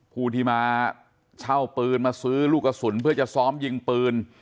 ผู้ที่มาเช่าปืนมาซื้อลูกกระสุนเพื่อจะซ้อมยิงปืน